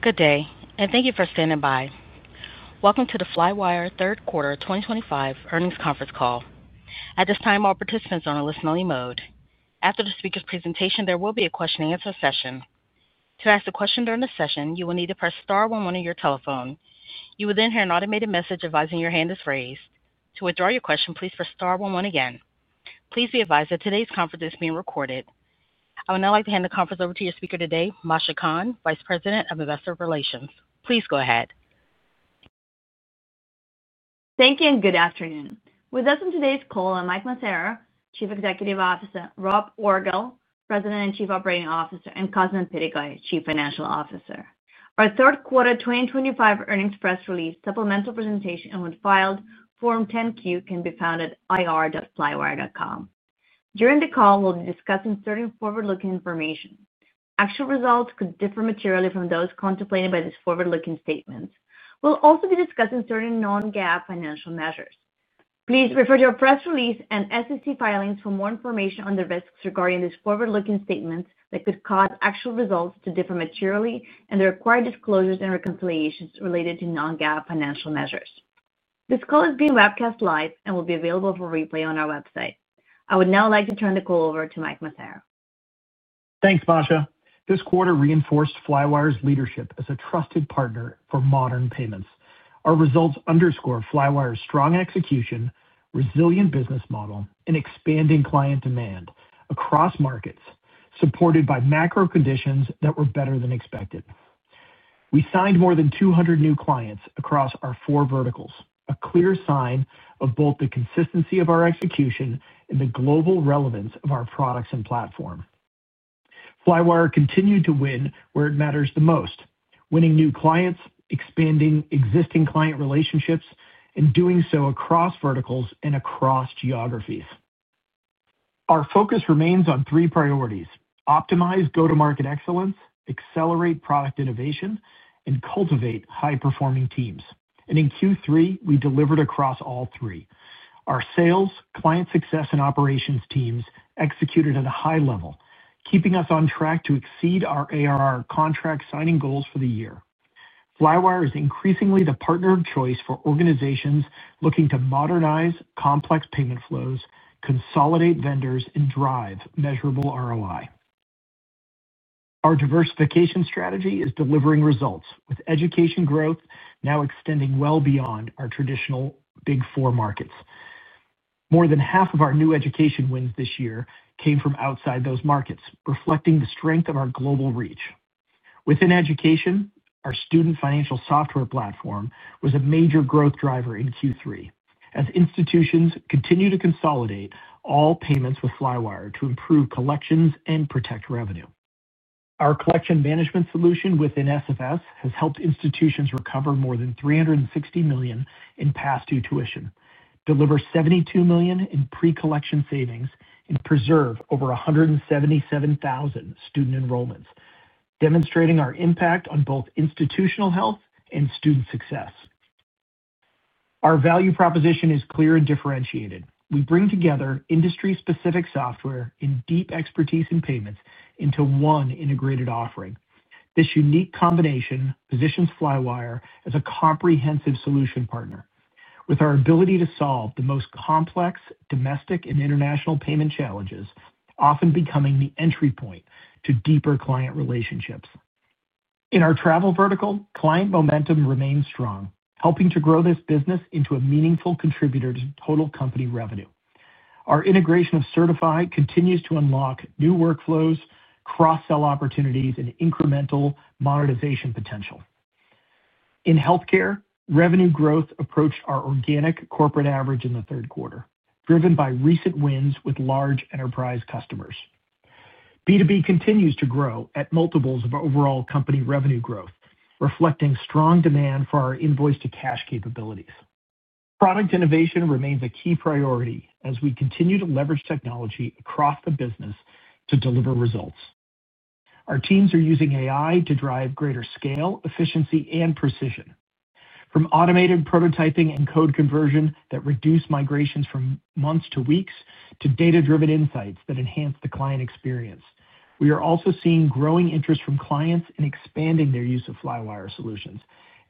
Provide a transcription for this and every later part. Good day, and thank you for standing by. Welcome to the Flywire third quarter 2025 Earnings conference call. At this time, all participants are on a listen-only mode. After the speaker's presentation, there will be a question-and-answer session. To ask a question during this session, you will need to press star one-one on your telephone. You will then hear an automated message advising your hand is raised. To withdraw your question, please press star one-one again. Please be advised that today's conference is being recorded. I would now like to hand the conference over to your speaker today, Masha Kahn, Vice President of Investor Relations. Please go ahead. Thank you, and good afternoon. With us on today's call are Mike Massaro, Chief Executive Officer; Rob Orgel, President and Chief Operating Officer; and Cosmin Pitigoi, Chief Financial Officer. Our third quarter 2025 earnings press release supplemental presentation and Filed Form 10-Q can be found at ir.flywire.com. During the call, we'll be discussing certain forward-looking information. Actual results could differ materially from those contemplated by these forward-looking statements. We'll also be discussing certain non-GAAP financial measures. Please refer to our press release and SEC filings for more information on the risks regarding these forward-looking statements that could cause actual results to differ materially and the required disclosures and reconciliations related to non-GAAP financial measures. This call is being webcast live and will be available for replay on our website. I would now like to turn the call over to Mike Massaro. Thanks, Masha. This quarter reinforced Flywire's leadership as a trusted partner for modern payments. Our results underscore Flywire's strong execution, resilient business model, and expanding client demand across markets, supported by macro conditions that were better than expected. We signed more than 200 new clients across our four verticals, a clear sign of both the consistency of our execution and the global relevance of our products and platform. Flywire continued to win where it matters the most, winning new clients, expanding existing client relationships, and doing so across verticals and across geographies. Our focus remains on three priorities: optimize go-to-market excellence, accelerate product innovation, and cultivate high-performing teams. And in Q3, we delivered across all three. Our sales, client success, and operations teams executed at a high level, keeping us on track to exceed our ARR contract signing goals for the year. Flywire is increasingly the partner of choice for organizations looking to modernize complex payment flows, consolidate vendors, and drive measurable ROI. Our diversification strategy is delivering results, with education growth now extending well beyond our traditional Big Four markets. More than half of our new education wins this year came from outside those markets, reflecting the strength of our global reach. Within education, our student financial software platform was a major growth driver in Q3, as institutions continue to consolidate all payments with Flywire to improve collections and protect revenue. Our collection management solution within SFS has helped institutions recover more than $360 million in past due tuition, deliver $72 million in pre-collection savings, and preserve over 177,000 student enrollments, demonstrating our impact on both institutional health and student success. Our value proposition is clear and differentiated. We bring together industry-specific software and deep expertise in payments into one integrated offering. This unique combination positions Flywire as a comprehensive solution partner, with our ability to solve the most complex domestic and international payment challenges, often becoming the entry point to deeper client relationships. In our travel vertical, client momentum remains strong, helping to grow this business into a meaningful contributor to total company revenue. Our integration of Sertifi continues to unlock new workflows, cross-sell opportunities, and incremental monetization potential. In healthcare, revenue growth approached our organic corporate average in the third quarter, driven by recent wins with large enterprise customers. B2B continues to grow at multiples of overall company revenue growth, reflecting strong demand for our invoice-to-cash capabilities. Product innovation remains a key priority as we continue to leverage technology across the business to deliver results. Our teams are using AI to drive greater scale, efficiency, and precision. From automated prototyping and code conversion that reduce migrations from months to weeks to data-driven insights that enhance the client experience, we are also seeing growing interest from clients in expanding their use of Flywire solutions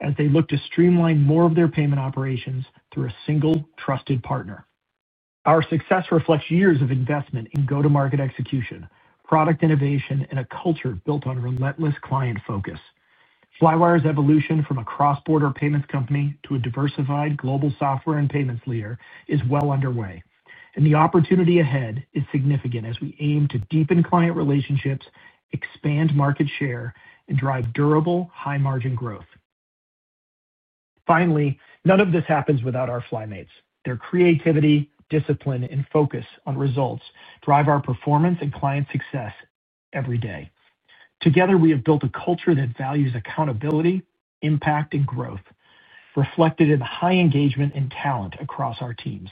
as they look to streamline more of their payment operations through a single, trusted partner. Our success reflects years of investment in go-to-market execution, product innovation, and a culture built on relentless client focus. Flywire's evolution from a cross-border payments company to a diversified global software and payments leader is well underway, and the opportunity ahead is significant as we aim to deepen client relationships, expand market share, and drive durable, high-margin growth. Finally, none of this happens without our Flymates. Their creativity, discipline, and focus on results drive our performance and client success every day. Together, we have built a culture that values accountability, impact, and growth, reflected in high engagement and talent across our teams.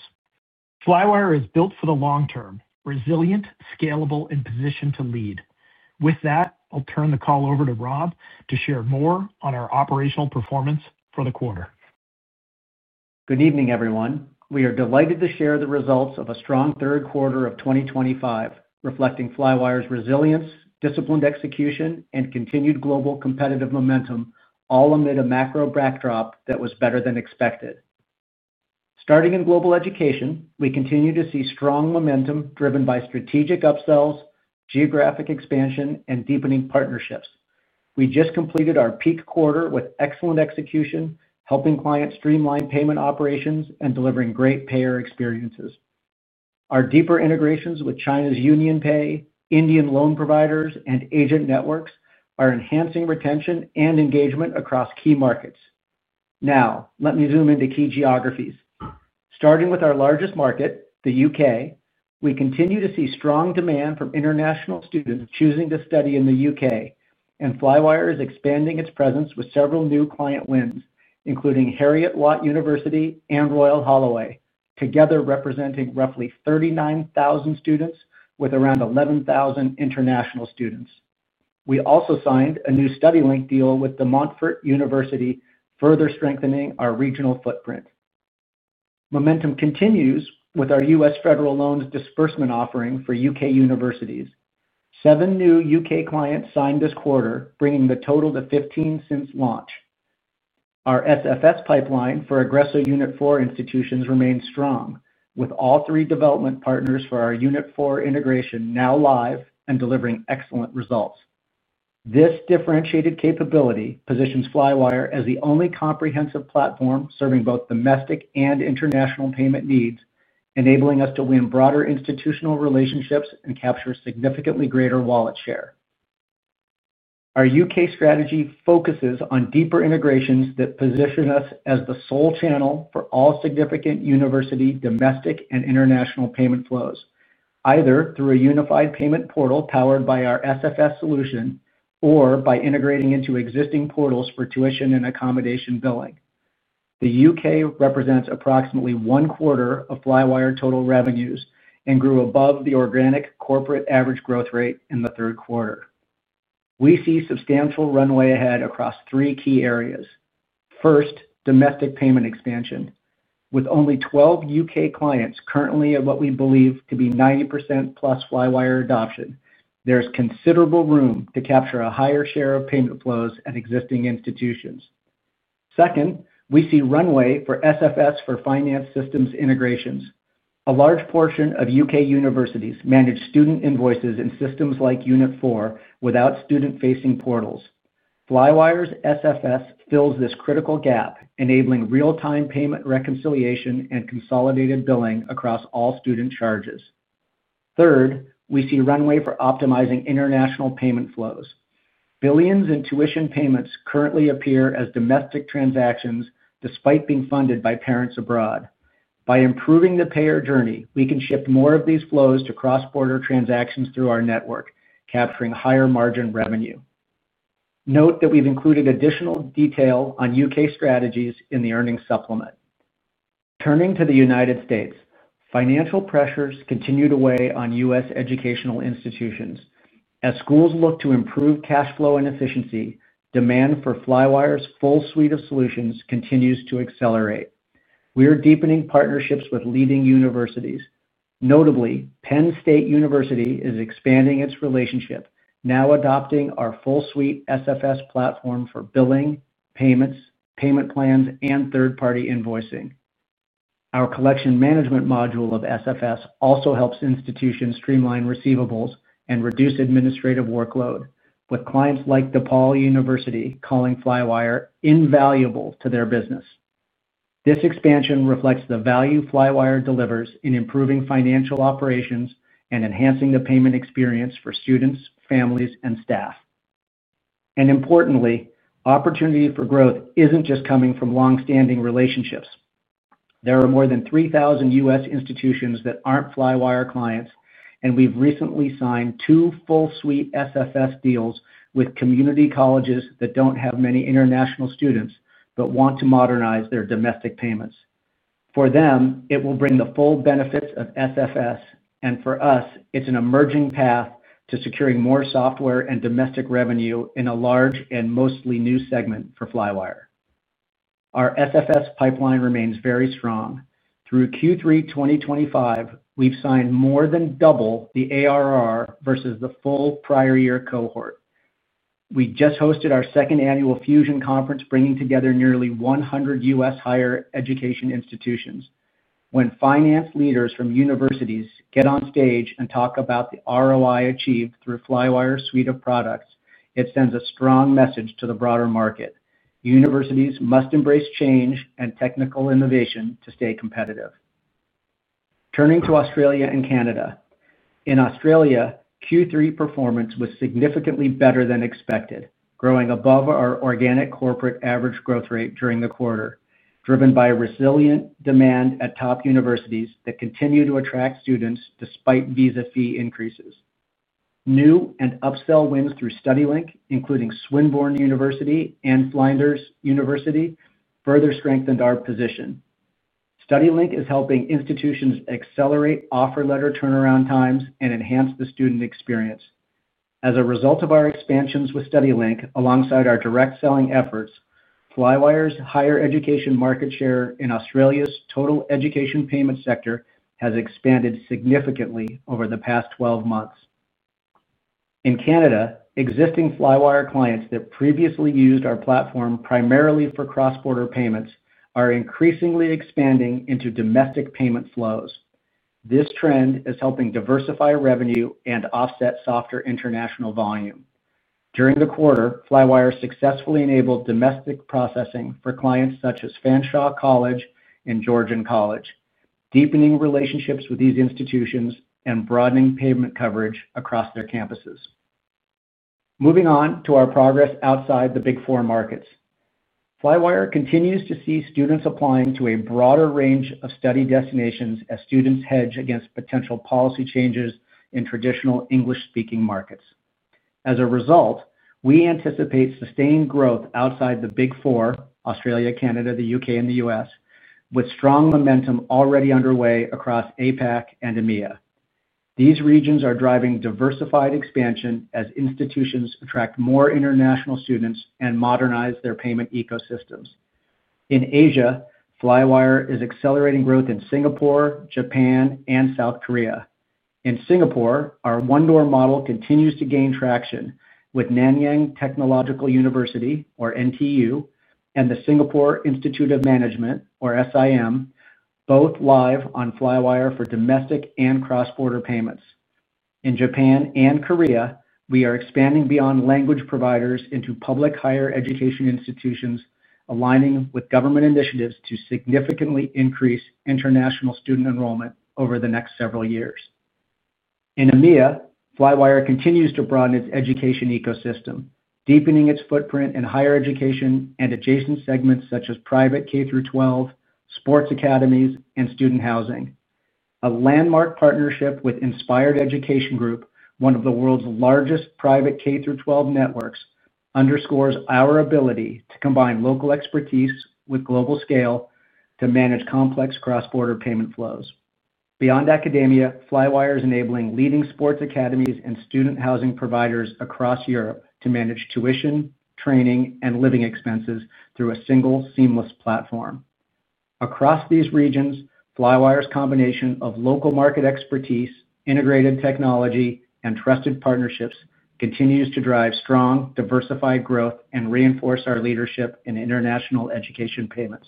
Flywire is built for the long term, resilient, scalable, and positioned to lead. With that, I'll turn the call over to Rob to share more on our operational performance for the quarter. Good evening, everyone. We are delighted to share the results of a strong third quarter of 2025, reflecting Flywire's resilience, disciplined execution, and continued global competitive momentum, all amid a macro backdrop that was better than expected. Starting in global education, we continue to see strong momentum driven by strategic upsells, geographic expansion, and deepening partnerships. We just completed our peak quarter with excellent execution, helping clients streamline payment operations and delivering great payer experiences. Our deeper integrations with China's UnionPay, Indian loan providers, and agent networks are enhancing retention and engagement across key markets. Now, let me zoom into key geographies. Starting with our largest market, the U.K., we continue to see strong demand from international students choosing to study in the U.K., and Flywire is expanding its presence with several new client wins, including Heriot-Watt University and Royal Holloway, together representing roughly 39,000 students with around 11,000 international students. We also signed a new StudyLink deal with De Montfort University, further strengthening our regional footprint. Momentum continues with our U.S. federal loans disbursement offering for U.K. universities. Seven new U.K. clients signed this quarter, bringing the total to 15 since launch. Our SFS pipeline for Agresso Unit4 institutions remains strong, with all three development partners for our Unit4 integration now live and delivering excellent results. This differentiated capability positions Flywire as the only comprehensive platform serving both domestic and international payment needs, enabling us to win broader institutional relationships and capture significantly greater wallet share. Our U.K. strategy focuses on deeper integrations that position us as the sole channel for all significant university, domestic, and international payment flows, either through a unified payment portal powered by our SFS solution or by integrating into existing portals for tuition and accommodation billing. The U.K. represents approximately one quarter of Flywire total revenues and grew above the organic corporate average growth rate in the third quarter. We see substantial runway ahead across three key areas. First, domestic payment expansion. With only 12 U.K. clients currently at what we believe to be 90% plus Flywire adoption, there is considerable room to capture a higher share of payment flows at existing institutions. Second, we see runway for SFS for finance systems integrations. A large portion of U.K. universities manage student invoices in systems like Unit4 without student-facing portals. Flywire's SFS fills this critical gap, enabling real-time payment reconciliation and consolidated billing across all student charges. Third, we see runway for optimizing international payment flows. Billions in tuition payments currently appear as domestic transactions despite being funded by parents abroad. By improving the payer journey, we can shift more of these flows to cross-border transactions through our network, capturing higher margin revenue. Note that we've included additional detail on U.K. strategies in the earnings supplement. Turning to the United States, financial pressures continue to weigh on U.S. educational institutions. As schools look to improve cash flow and efficiency, demand for Flywire's full suite of solutions continues to accelerate. We are deepening partnerships with leading universities. Notably, Penn State University is expanding its relationship, now adopting our full-suite SFS platform for billing, payments, payment plans, and third-party invoicing. Our collection management module of SFS also helps institutions streamline receivables and reduce administrative workload, with clients like DePaul University calling Flywire invaluable to their business. This expansion reflects the value Flywire delivers in improving financial operations and enhancing the payment experience for students, families, and staff, and importantly, opportunity for growth isn't just coming from long-standing relationships. There are more than 3,000 U.S. institutions that aren't Flywire clients, and we've recently signed two full-suite SFS deals with community colleges that don't have many international students but want to modernize their domestic payments. For them, it will bring the full benefits of SFS, and for us, it's an emerging path to securing more software and domestic revenue in a large and mostly new segment for Flywire. Our SFS pipeline remains very strong. Through Q3 2025, we've signed more than double the ARR versus the full prior-year cohort. We just hosted our second annual Fusion Conference, bringing together nearly 100 U.S. higher education institutions. When finance leaders from universities get on stage and talk about the ROI achieved through Flywire's suite of products, it sends a strong message to the broader market. Universities must embrace change and technical innovation to stay competitive. Turning to Australia and Canada. In Australia, Q3 performance was significantly better than expected, growing above our organic corporate average growth rate during the quarter, driven by resilient demand at top universities that continue to attract students despite visa fee increases. New and upsell wins through StudyLink, including Swinburne University and Flinders University, further strengthened our position. StudyLink is helping institutions accelerate offer letter turnaround times and enhance the student experience. As a result of our expansions with StudyLink, alongside our direct selling efforts, Flywire's higher education market share in Australia's total education payment sector has expanded significantly over the past 12 months. In Canada, existing Flywire clients that previously used our platform primarily for cross-border payments are increasingly expanding into domestic payment flows. This trend is helping diversify revenue and offset softer international volume. During the quarter, Flywire successfully enabled domestic processing for clients such as Fanshawe College and Georgian College, deepening relationships with these institutions and broadening payment coverage across their campuses. Moving on to our progress outside the Big Four markets. Flywire continues to see students applying to a broader range of study destinations as students hedge against potential policy changes in traditional English-speaking markets. As a result, we anticipate sustained growth outside the Big Four: Australia, Canada, the U.K., and the U.S., with strong momentum already underway across APAC and EMEA. These regions are driving diversified expansion as institutions attract more international students and modernize their payment ecosystems. In Asia, Flywire is accelerating growth in Singapore, Japan, and South Korea. In Singapore, our One Door model continues to gain traction with Nanyang Technological University, or NTU, and the Singapore Institute of Management, or SIM, both live on Flywire for domestic and cross-border payments. In Japan and Korea, we are expanding beyond language providers into public higher education institutions, aligning with government initiatives to significantly increase international student enrollment over the next several years. In EMEA, Flywire continues to broaden its education ecosystem, deepening its footprint in higher education and adjacent segments such as private K-12, sports academies, and student housing. A landmark partnership with Inspired Education Group, one of the world's largest private K-12 networks, underscores our ability to combine local expertise with global scale to manage complex cross-border payment flows. Beyond academia, Flywire is enabling leading sports academies and student housing providers across Europe to manage tuition, training, and living expenses through a single, seamless platform. Across these regions, Flywire's combination of local market expertise, integrated technology, and trusted partnerships continues to drive strong, diversified growth and reinforce our leadership in international education payments.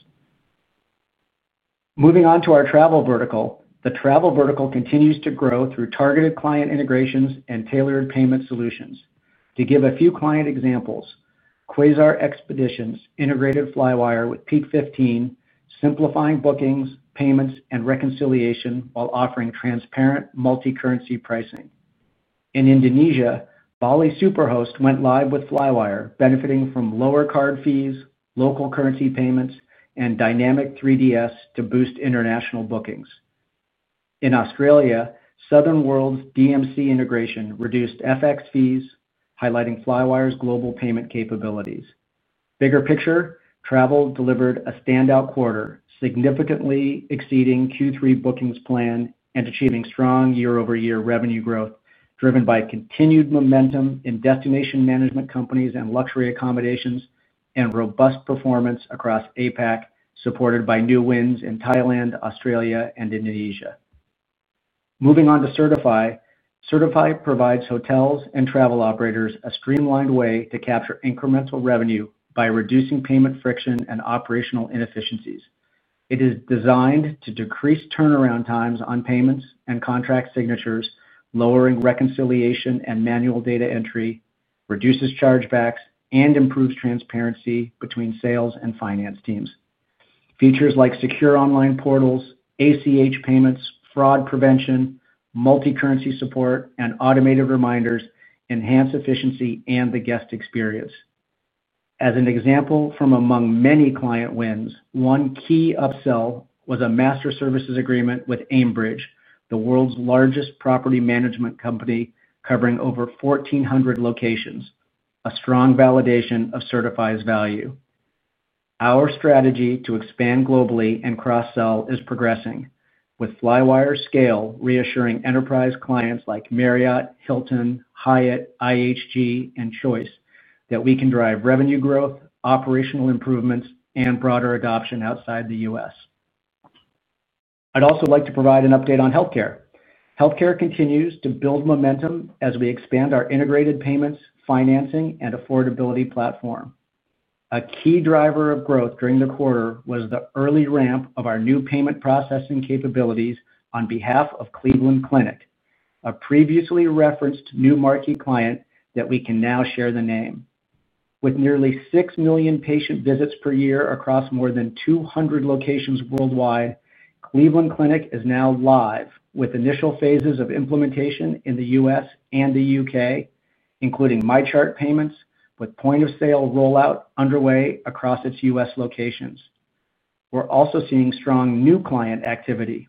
Moving on to our travel vertical, the travel vertical continues to grow through targeted client integrations and tailored payment solutions. To give a few client examples, Quasar Expeditions integrated Flywire with PEAK 15, simplifying bookings, payments, and reconciliation while offering transparent multi-currency pricing. In Indonesia, BaliSuperHost went live with Flywire, benefiting from lower card fees, local currency payments, and dynamic 3DS to boost international bookings. In Australia, Southern World's DMC integration reduced FX fees, highlighting Flywire's global payment capabilities. Bigger picture, travel delivered a standout quarter, significantly exceeding Q3 bookings planned and achieving strong year-over-year revenue growth driven by continued momentum in destination management companies and luxury accommodations and robust performance across APAC, supported by new wins in Thailand, Australia, and Indonesia. Moving on to Sertifi, Sertifi provides hotels and travel operators a streamlined way to capture incremental revenue by reducing payment friction and operational inefficiencies. It is designed to decrease turnaround times on payments and contract signatures, lowering reconciliation and manual data entry, reduces chargebacks, and improves transparency between sales and finance teams. Features like secure online portals, ACH payments, fraud prevention, multi-currency support, and automated reminders enhance efficiency and the guest experience. As an example from among many client wins, one key upsell was a master services agreement with Aimbridge, the world's largest property management company covering over 1,400 locations, a strong validation of Sertifi's value. Our strategy to expand globally and cross-sell is progressing, with Flywire's scale reassuring enterprise clients like Marriott, Hilton, Hyatt, IHG, and Choice that we can drive revenue growth, operational improvements, and broader adoption outside the U.S. I'd also like to provide an update on healthcare. Healthcare continues to build momentum as we expand our integrated payments, financing, and affordability platform. A key driver of growth during the quarter was the early ramp of our new payment processing capabilities on behalf of Cleveland Clinic, a previously referenced new market client that we can now share the name. With nearly six million patient visits per year across more than 200 locations worldwide, Cleveland Clinic is now live with initial phases of implementation in the U.S. and the U.K., including MyChart payments, with point-of-sale rollout underway across its U.S. locations. We're also seeing strong new client activity.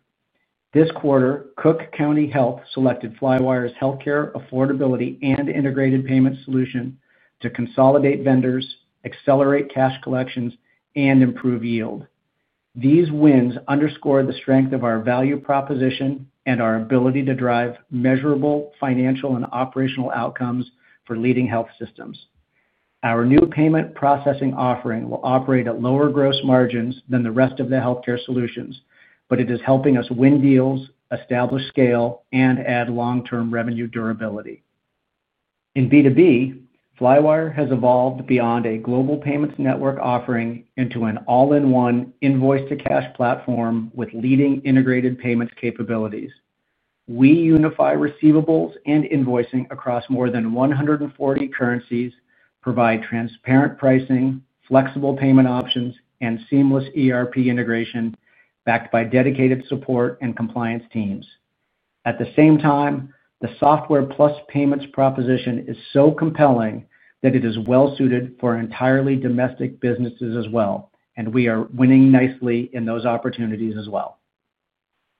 This quarter, Cook County Health selected Flywire's healthcare, affordability, and integrated payment solution to consolidate vendors, accelerate cash collections, and improve yield. These wins underscore the strength of our value proposition and our ability to drive measurable financial and operational outcomes for leading health systems. Our new payment processing offering will operate at lower gross margins than the rest of the healthcare solutions, but it is helping us win deals, establish scale, and add long-term revenue durability. In B2B, Flywire has evolved beyond a global payments network offering into an all-in-one invoice-to-cash platform with leading integrated payments capabilities. We unify receivables and invoicing across more than 140 currencies, provide transparent pricing, flexible payment options, and seamless ERP integration backed by dedicated support and compliance teams. At the same time, the software plus payments proposition is so compelling that it is well-suited for entirely domestic businesses as well, and we are winning nicely in those opportunities as well.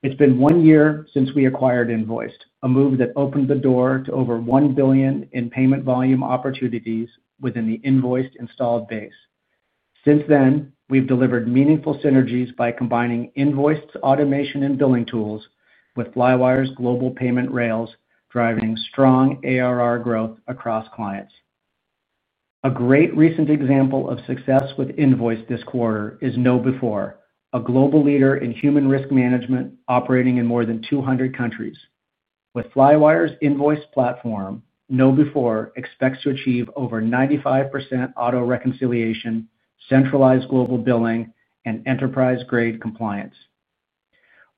It's been one year since we acquired Invoiced, a move that opened the door to over $1 billion in payment volume opportunities within the Invoiced installed base. Since then, we've delivered meaningful synergies by combining Invoiced's automation and billing tools with Flywire's global payment rails, driving strong ARR growth across clients. A great recent example of success with Invoiced this quarter is KnowBe4, a global leader in human risk management operating in more than 200 countries. With Flywire's invoice platform, KnowBe4 expects to achieve over 95% auto reconciliation, centralized global billing, and enterprise-grade compliance.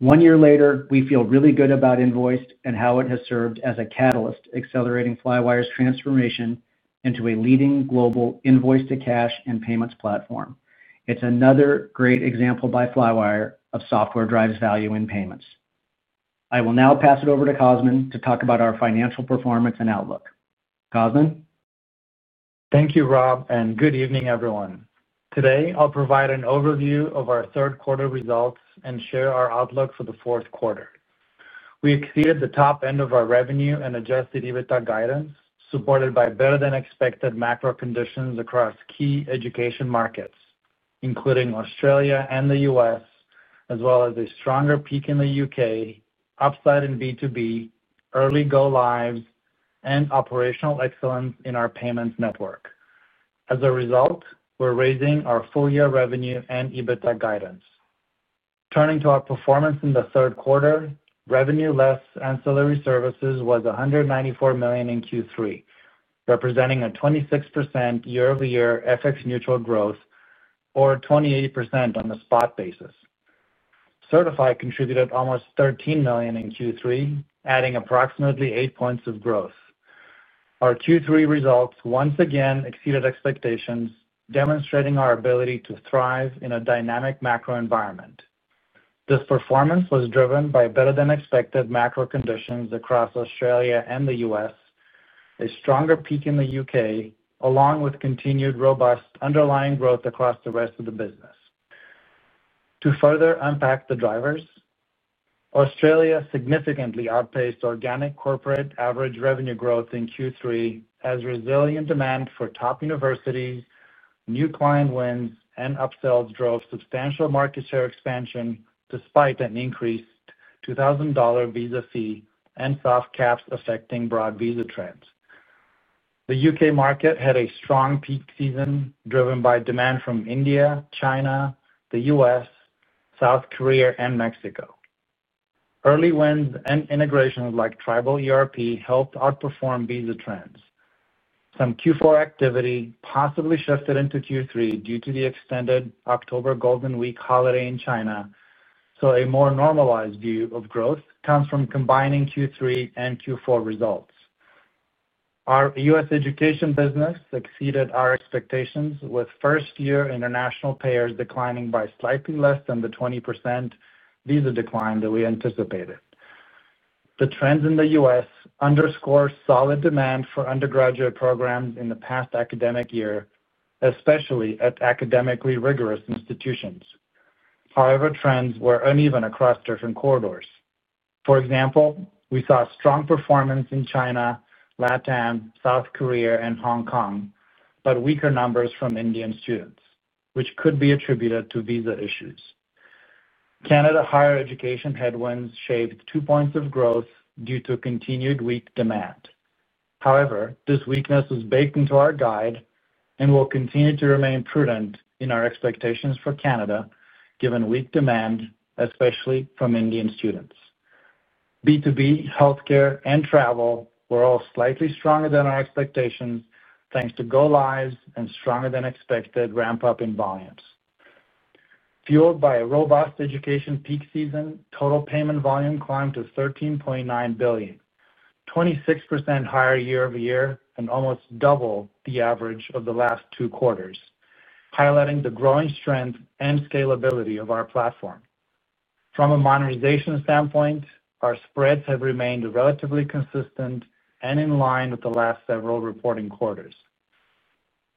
One year later, we feel really good about Invoiced and how it has served as a catalyst accelerating Flywire's transformation into a leading global invoice-to-cash and payments platform. It's another great example by Flywire of software drives value in payments. I will now pass it over to Cosmin to talk about our financial performance and outlook. Cosmin? Thank you, Rob, and good evening, everyone. Today, I'll provide an overview of our third-quarter results and share our outlook for the fourth quarter. We exceeded the top end of our revenue and adjusted EBITDA guidance, supported by better-than-expected macro conditions across key education markets, including Australia and the U.S., as well as a stronger peak in the U.K., upside in B2B, early go-lives, and operational excellence in our payments network. As a result, we're raising our full-year revenue and EBITDA guidance. Turning to our performance in the third quarter, revenue less ancillary services was $194 million in Q3, representing a 26% year-over-year FX-neutral growth, or 28% on the spot basis. Sertifi contributed almost $13 million in Q3, adding approximately 8 points of growth. Our Q3 results once again exceeded expectations, demonstrating our ability to thrive in a dynamic macro environment. This performance was driven by better-than-expected macro conditions across Australia and the U.S., a stronger peak in the U.K., along with continued robust underlying growth across the rest of the business. To further unpack the drivers, Australia significantly outpaced organic corporate average revenue growth in Q3, as resilient demand for top universities, new client wins, and upsells drove substantial market share expansion despite an increased $2,000 visa fee and soft caps affecting broad visa trends. The U.K. market had a strong peak season driven by demand from India, China, the U.S., South Korea, and Mexico. Early wins and integrations like Tribal ERP helped outperform visa trends. Some Q4 activity possibly shifted into Q3 due to the extended October Golden Week holiday in China, so a more normalized view of growth comes from combining Q3 and Q4 results. Our U.S. education business exceeded our expectations, with first-year international payers declining by slightly less than the 20% visa decline that we anticipated. The trends in the U.S. underscore solid demand for undergraduate programs in the past academic year, especially at academically rigorous institutions. However, trends were uneven across different corridors. For example, we saw strong performance in China, LATAM, South Korea, and Hong Kong, but weaker numbers from Indian students, which could be attributed to visa issues. Canada higher education headwinds shaved two points of growth due to continued weak demand. However, this weakness was baked into our guide and will continue to remain prudent in our expectations for Canada given weak demand, especially from Indian students. B2B, healthcare, and travel were all slightly stronger than our expectations, thanks to go-lives and stronger-than-expected ramp-up in volumes. Fueled by a robust education peak season, total payment volume climbed to $13.9 billion, 26% higher year-over-year and almost double the average of the last two quarters, highlighting the growing strength and scalability of our platform. From a monetization standpoint, our spreads have remained relatively consistent and in line with the last several reporting quarters.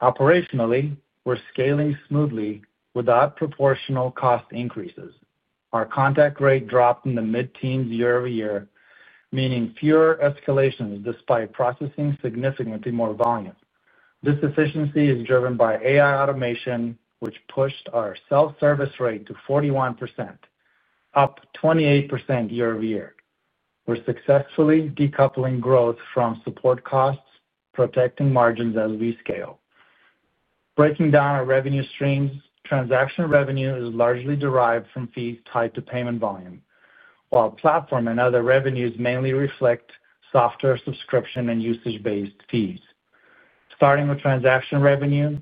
Operationally, we're scaling smoothly without proportional cost increases. Our contact rate dropped in the mid-teens year-over-year, meaning fewer escalations despite processing significantly more volume. This efficiency is driven by AI automation, which pushed our self-service rate to 41%, up 28% year-over-year. We're successfully decoupling growth from support costs, protecting margins as we scale. Breaking down our revenue streams, transaction revenue is largely derived from fees tied to payment volume, while platform and other revenues mainly reflect software subscription and usage-based fees. Starting with transaction revenue,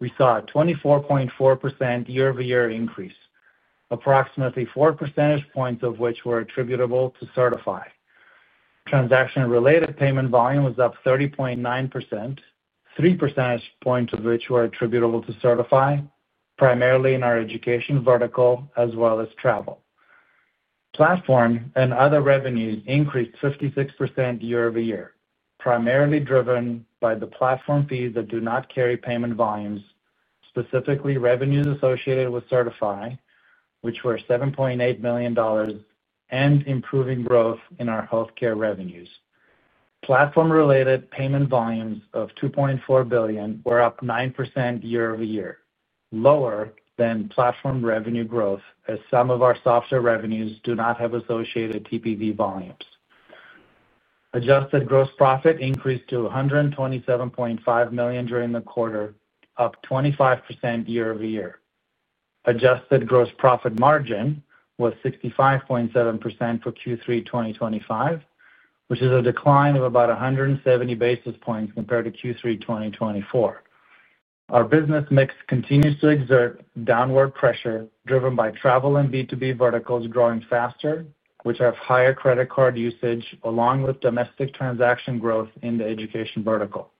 we saw a 24.4% year-over-year increase, approximately 4 percentage points of which were attributable to Sertifi. Transaction-related payment volume was up 30.9%, 3 percentage points of which were attributable to Sertifi, primarily in our education vertical as well as travel. Platform and other revenues increased 56% year-over-year, primarily driven by the platform fees that do not carry payment volumes, specifically revenues associated with Sertifi, which were $7.8 million and improving growth in our healthcare revenues. Platform-related payment volumes of $2.4 billion were up 9% year-over-year, lower than platform revenue growth as some of our software revenues do not have associated TPV volumes. Adjusted gross profit increased to $127.5 million during the quarter, up 25% year-over-year. Adjusted gross profit margin was 65.7% for Q3 2025, which is a decline of about 170 basis points compared to Q3 2024. Our business mix continues to exert downward pressure driven by travel and B2B verticals growing faster, which have higher credit card usage, along with domestic transaction growth in the education vertical.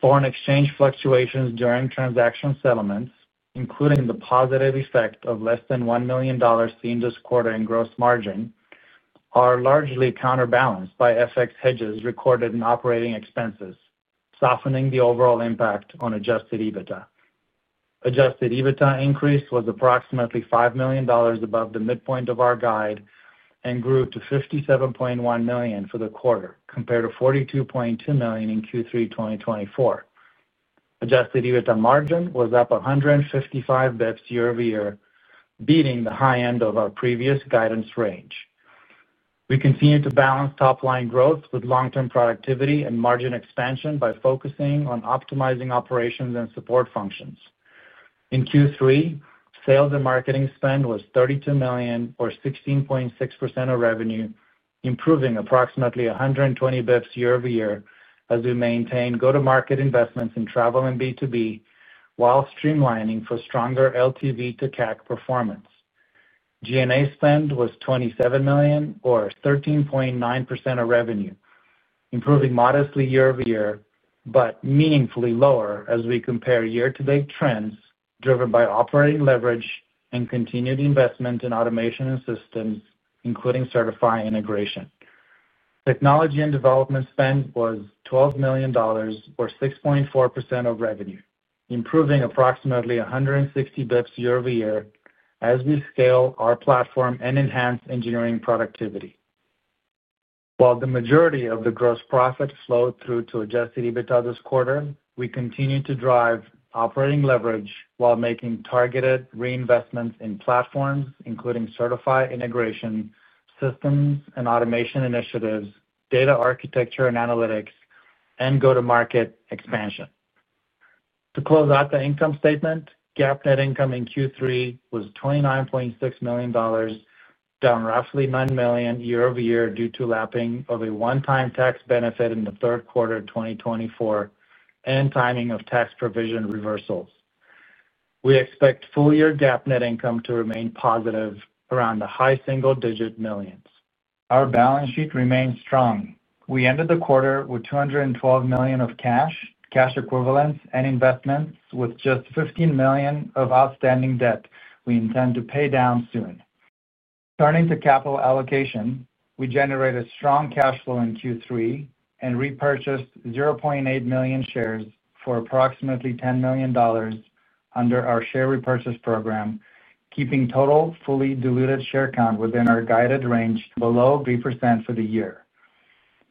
Foreign exchange fluctuations during transaction settlements, including the positive effect of less than $1 million seen this quarter in gross margin, are largely counterbalanced by FX hedges recorded in operating expenses, softening the overall impact on adjusted EBITDA. Adjusted EBITDA increase was approximately $5 million above the midpoint of our guide and grew to $57.1 million for the quarter compared to $42.2 million in Q3 2024. Adjusted EBITDA margin was up 155 basis points year-over-year, beating the high end of our previous guidance range. We continue to balance top-line growth with long-term productivity and margin expansion by focusing on optimizing operations and support functions. In Q3, sales and marketing spend was $32 million, or 16.6% of revenue, improving approximately 120 basis points year-over-year as we maintain go-to-market investments in travel and B2B while streamlining for stronger LTV to CAC performance. G&A spend was $27 million, or 13.9% of revenue, improving modestly year-over-year but meaningfully lower as we compare year-to-date trends driven by operating leverage and continued investment in automation and systems, including Sertifi integration. Technology and development spend was $12 million, or 6.4% of revenue, improving approximately 160 basis points year-over-year as we scale our platform and enhance engineering productivity. While the majority of the gross profit flowed through to adjusted EBITDA this quarter, we continue to drive operating leverage while making targeted reinvestments in platforms, including Sertifi integration, systems and automation initiatives, data architecture and analytics, and go-to-market expansion. To close out the income statement, GAAP net income in Q3 was $29.6 million, down roughly $9 million year-over-year due to lapping of a one-time tax benefit in the third quarter of 2024 and timing of tax provision reversals. We expect full-year GAAP net income to remain positive around the high single-digit millions. Our balance sheet remains strong. We ended the quarter with $212 million of cash, cash equivalents, and investments, with just $15 million of outstanding debt we intend to pay down soon. Turning to capital allocation, we generated strong cash flow in Q3 and repurchased 0.8 million shares for approximately $10 million. Under our share repurchase program, keeping total fully diluted share count within our guided range below 3% for the year.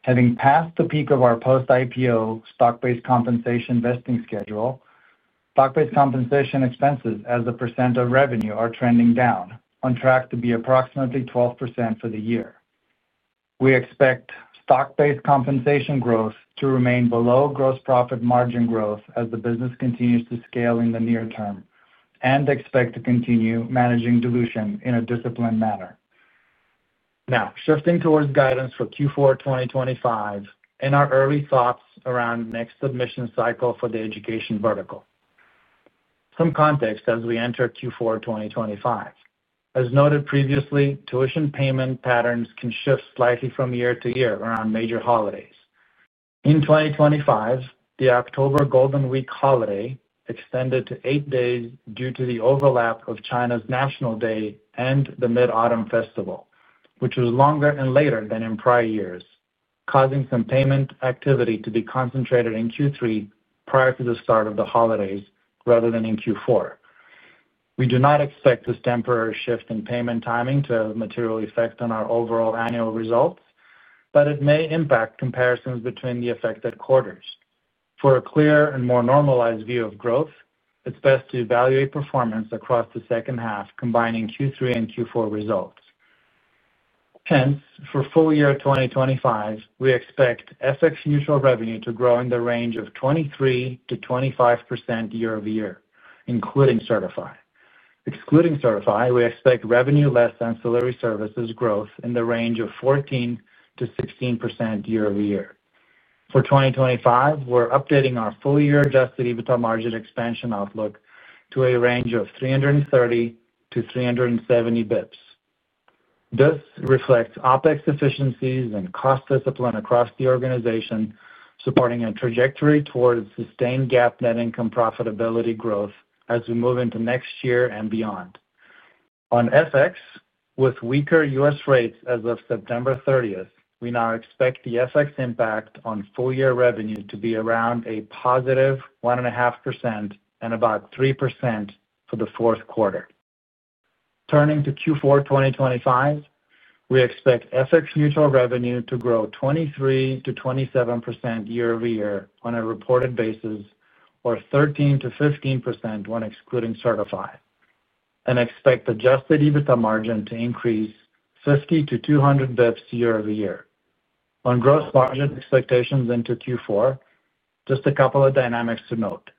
Having passed the peak of our post-IPO stock-based compensation vesting schedule, stock-based compensation expenses as a percent of revenue are trending down, on track to be approximately 12% for the year. We expect stock-based compensation growth to remain below gross profit margin growth as the business continues to scale in the near term, and we expect to continue managing dilution in a disciplined manner. Now, shifting towards guidance for Q4 2025 and our early thoughts around the next submission cycle for the education vertical. Some context as we enter Q4 2025. As noted previously, tuition payment patterns can shift slightly from year to year around major holidays. In 2025, the October Golden Week holiday extended to eight days due to the overlap of China's National Day and the Mid-Autumn Festival, which was longer and later than in prior years, causing some payment activity to be concentrated in Q3 prior to the start of the holidays rather than in Q4. We do not expect this temporary shift in payment timing to have a material effect on our overall annual results, but it may impact comparisons between the affected quarters. For a clear and more normalized view of growth, it is best to evaluate performance across the second half, combining Q3 and Q4 results. Hence, for full-year 2025, we expect FX-neutral revenue to grow in the range of 23%-25% year-over-year, including Sertifi. Excluding Sertifi, we expect revenue less ancillary services growth in the range of 14%-16% year-over-year. For 2025, we are updating our full-year adjusted EBITDA margin expansion outlook to a range of 330-370 basis points. This reflects OpEx efficiencies and cost discipline across the organization, supporting a trajectory towards sustained GAAP net income profitability growth as we move into next year and beyond. On FX, with weaker U.S. rates as of September 30th, we now expect the FX impact on full-year revenue to be around a positive 1.5% and about 3% for the fourth quarter. Turning to Q4 2025, we expect FX-neutral revenue to grow 23%-27% year-over-year on a reported basis, or 13%-15% when excluding Sertifi, and expect adjusted EBITDA margin to increase 50-200 basis points year-over-year. On gross margin expectations into Q4, just a couple of dynamics to note.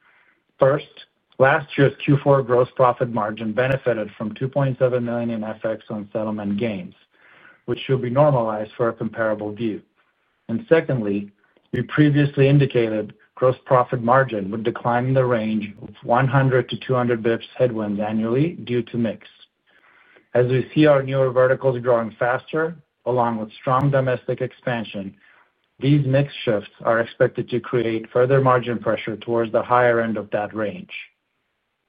First, last year's Q4 gross profit margin benefited from $2.7 million in FX on settlement gains, which should be normalized for a comparable view. Secondly, we previously indicated gross profit margin would decline in the range of 100-200 basis points headwinds annually due to mix. As we see our newer verticals growing faster, along with strong domestic expansion, these mix shifts are expected to create further margin pressure towards the higher end of that range.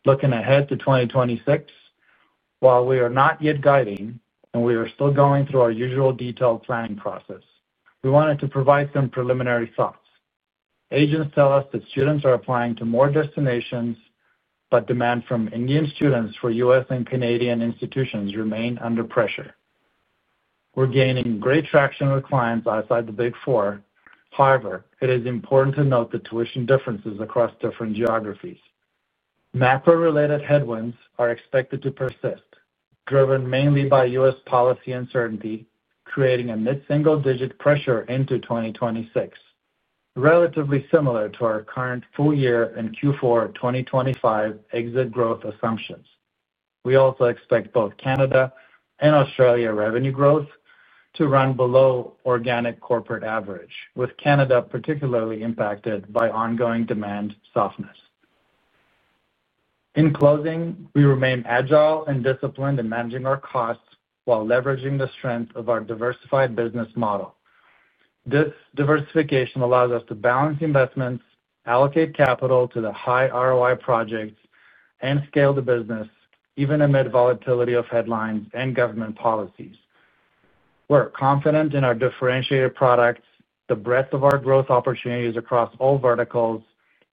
Looking ahead to 2026. While we are not yet guiding and we are still going through our usual detailed planning process, we wanted to provide some preliminary thoughts. Agents tell us that students are applying to more destinations, but demand from Indian students for U.S. and Canadian institutions remains under pressure. We are gaining great traction with clients outside the Big Four. However, it is important to note the tuition differences across different geographies. Macro-related headwinds are expected to persist, driven mainly by U.S. policy uncertainty, creating a mid-single-digit pressure into 2026. Relatively similar to our current full-year and Q4 2025 exit growth assumptions. We also expect both Canada and Australia revenue growth to run below organic corporate average, with Canada particularly impacted by ongoing demand softness. In closing, we remain agile and disciplined in managing our costs while leveraging the strength of our diversified business model. This diversification allows us to balance investments, allocate capital to the high ROI projects, and scale the business even amid volatility of headlines and government policies. We're confident in our differentiated products, the breadth of our growth opportunities across all verticals,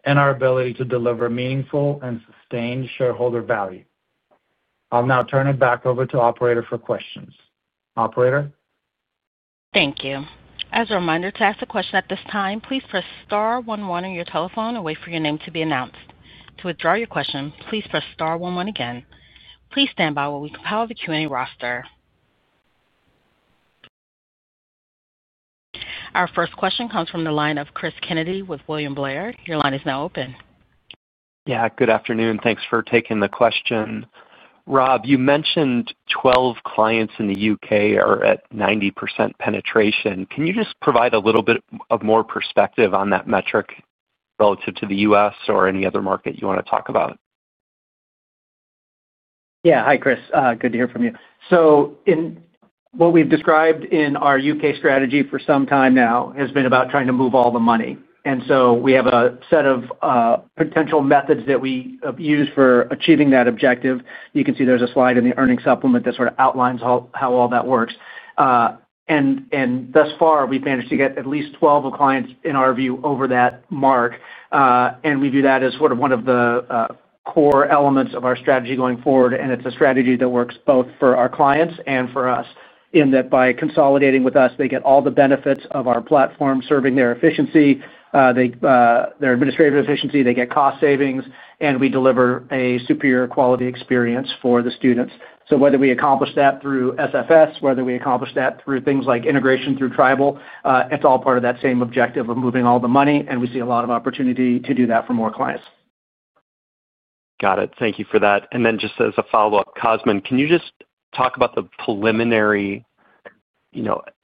and our ability to deliver meaningful and sustained shareholder value. I'll now turn it back over to Operator for questions. Operator. Thank you. As a reminder, to ask a question at this time, please press star one-one on your telephone and wait for your name to be announced. To withdraw your question, please press star one-one again. Please stand by while we compile the Q&A roster. Our first question comes from the line of Chris Kennedy with William Blair. Your line is now open. Yeah, good afternoon. Thanks for taking the question. Rob, you mentioned 12 clients in the U.K. are at 90% penetration. Can you just provide a little bit of more perspective on that metric relative to the U.S. or any other market you want to talk about? Yeah, hi, Chris. Good to hear from you. So. What we've described in our U.K. strategy for some time now has been about trying to move all the money. And so we have a set of potential methods that we use for achieving that objective. You can see there's a slide in the earnings supplement that sort of outlines how all that works. And thus far, we've managed to get at least 12 clients, in our view, over that mark. And we view that as sort of one of the. Core elements of our strategy going forward. And it's a strategy that works both for our clients and for us in that by consolidating with us, they get all the benefits of our platform serving their efficiency, their administrative efficiency. They get cost savings, and we deliver a superior quality experience for the students. So whether we accomplish that through SFS, whether we accomplish that through things like integration through Tribal, it's all part of that same objective of moving all the money. And we see a lot of opportunity to do that for more clients. Got it. Thank you for that. And then just as a follow-up, Cosmin, can you just talk about the preliminary.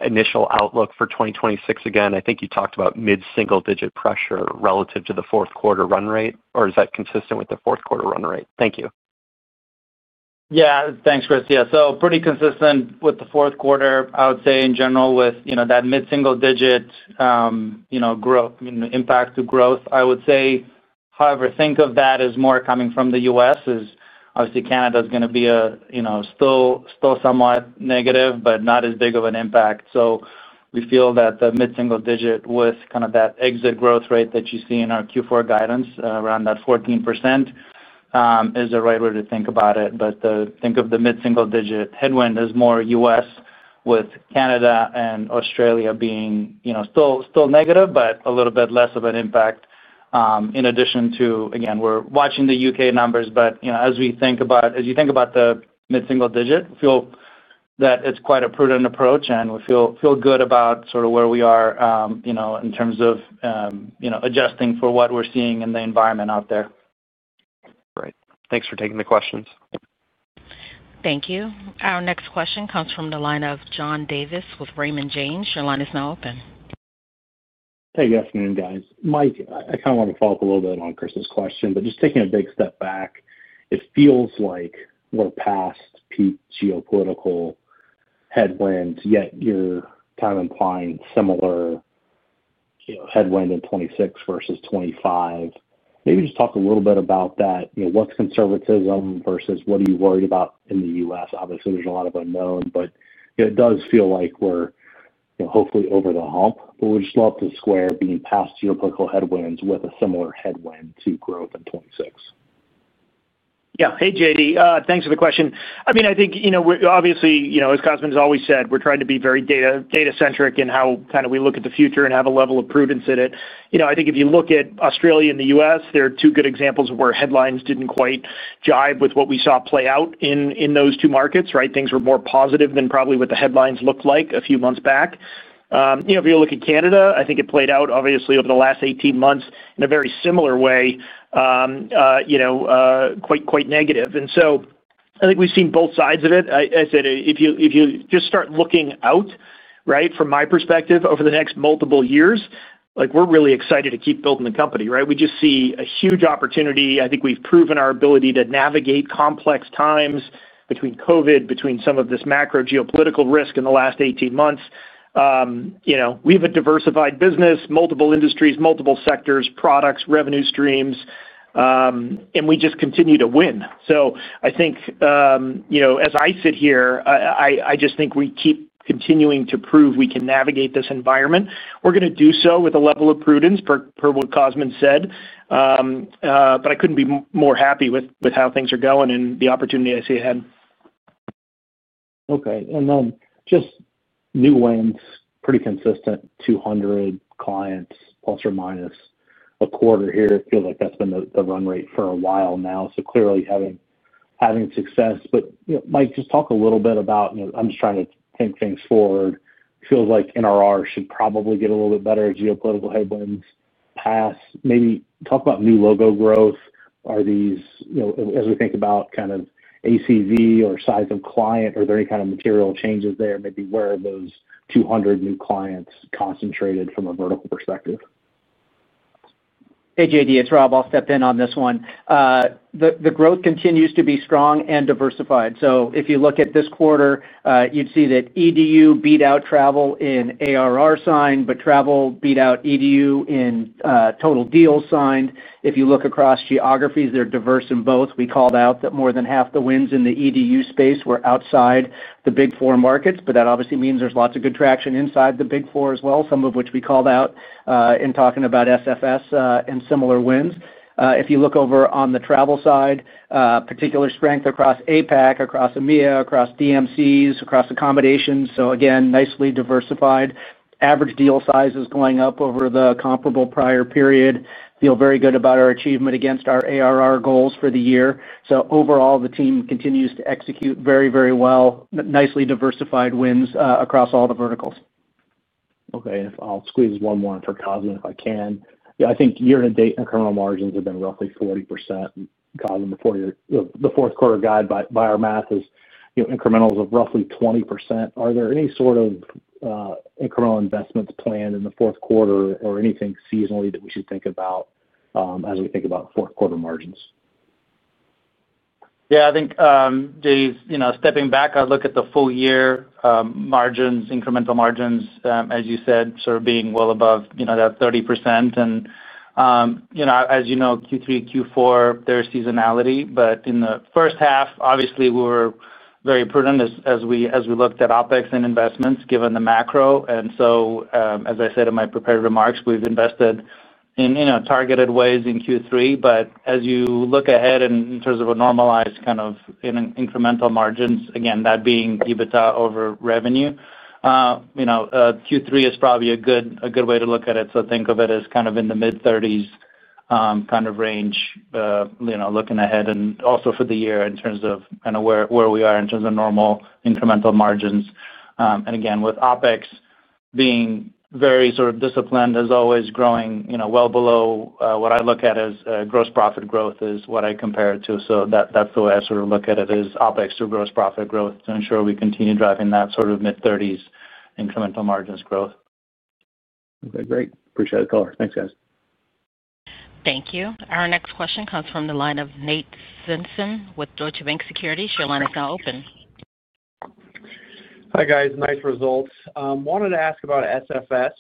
Initial outlook for 2026 again? I think you talked about mid-single-digit pressure relative to the fourth quarter run rate, or is that consistent with the fourth quarter run rate? Thank you. Yeah, thanks, Chris. Yeah, so pretty consistent with the fourth quarter, I would say, in general, with that mid-single-digit. Growth, impact to growth, I would say. However, think of that as more coming from the U.S., as obviously Canada is going to be still somewhat negative, but not as big of an impact. So we feel that the mid-single-digit with kind of that exit growth rate that you see in our Q4 guidance, around that 14%, is the right way to think about it. But think of the mid-single-digit headwind as more U.S., with Canada and Australia being still negative, but a little bit less of an impact. In addition to, again, we're watching the U.K. numbers, but as we think about, as you think about the mid-single-digit, we feel that it's quite a prudent approach, and we feel good about sort of where we are in terms of adjusting for what we're seeing in the environment out there. Great. Thanks for taking the questions. Thank you. Our next question comes from the line of John Davis with Raymond James. Your line is now open. Hey, good afternoon, guys. Mike, I kind of want to follow up a little bit on Chris's question, but just taking a big step back, it feels like we're past peak geopolitical headwinds, yet you're kind of implying similar headwind in 2026 versus 2025. Maybe just talk a little bit about that. What's conservatism versus what are you worried about in the U.S.? Obviously, there's a lot of unknown, but it does feel like we're hopefully over the hump, but we'd just love to square being past geopolitical headwinds with a similar headwind to growth in 2026. Yeah. Hey, JD. Thanks for the question. I mean, I think obviously, as Cosmin has always said, we're trying to be very data-centric in how kind of we look at the future and have a level of prudence in it. I think if you look at Australia and the U.S., there are two good examples where headlines didn't quite jive with what we saw play out in those two markets, right? Things were more positive than probably what the headlines looked like a few months back. If you look at Canada, I think it played out, obviously, over the last 18 months in a very similar way. Quite negative. And so I think we've seen both sides of it. I said, if you just start looking out, right, from my perspective over the next multiple years, we're really excited to keep building the company, right? We just see a huge opportunity. I think we've proven our ability to navigate complex times between COVID, between some of this macro geopolitical risk in the last 18 months. We have a diversified business, multiple industries, multiple sectors, products, revenue streams. And we just continue to win. So I think, as I sit here, I just think we keep continuing to prove we can navigate this environment. We're going to do so with a level of prudence, per what Cosmin said. But I couldn't be more happy with how things are going and the opportunity I see ahead. Okay. And then just new wins, pretty consistent. 200 clients, plus or minus a quarter here. It feels like that's been the run rate for a while now. So clearly having success. But Mike, just talk a little bit about, I'm just trying to think things forward. It feels like NRR should probably get a little bit better geopolitical headwinds past. Maybe talk about new logo growth. Are these, as we think about kind of ACV or size of client, are there any kind of material changes there? Maybe where are those 200 new clients concentrated from a vertical perspective? Hey, JD. It's Rob. I'll step in on this one. The growth continues to be strong and diversified. So if you look at this quarter, you'd see that EDU beat out Travel in ARR signings, but Travel beat out EDU in total deals signed. If you look across geographies, they're diverse in both. We called out that more than half the wins in the EDU space were outside the Big Four markets, but that obviously means there's lots of good traction inside the Big Four as well, some of which we called out in talking about SFS and similar wins. If you look over on the Travel side, particular strength across APAC, across EMEA, across DMCs, across accommodations. So again, nicely diversified. Average deal sizes going up over the comparable prior period. Feel very good about our achievement against our ARR goals for the year. So overall, the team continues to execute very, very well, nicely diversified wins across all the verticals. Okay. I'll squeeze one more for Cosmin if I can. I think year-to-date incremental margins have been roughly 40%. The fourth quarter guide by our math is incrementals of roughly 20%. Are there any sort of incremental investments planned in the fourth quarter or anything seasonally that we should think about as we think about fourth quarter margins? Yeah, I think, JD, stepping back, I look at the full-year margins, incremental margins, as you said, sort of being well above that 30%. And as you know, Q3-Q4, there's seasonality. But in the first half, obviously, we were very prudent as we looked at OpEx and investments given the macro. And so, as I said in my prepared remarks, we've invested in targeted ways in Q3. But as you look ahead in terms of a normalized kind of incremental margins, again, that being EBITDA over revenue, Q3 is probably a good way to look at it. So think of it as kind of in the mid-30s% kind of range. Looking ahead and also for the year in terms of kind of where we are in terms of normal incremental margins. And again, with OpEx being very sort of disciplined, as always, growing well below what I look at as gross profit growth is what I compare it to. So that's the way I sort of look at it, is OpEx to gross profit growth to ensure we continue driving that sort of mid-30s incremental margins growth. Okay. Great. Appreciate it, color. Thanks, guys. Thank you. Our next question comes from the line of Nate Svensson with Deutsche Bank. Your line is now open. Hi, guys. Nice results. Wanted to ask about SFS.